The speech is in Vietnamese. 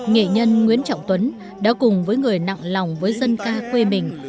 nghệ nhân nguyễn trọng tuấn đã cùng với người nặng lòng với dân ca quê mình